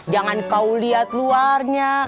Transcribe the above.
jangan kau lihat luarnya